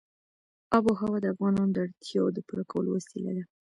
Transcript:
آب وهوا د افغانانو د اړتیاوو د پوره کولو وسیله ده.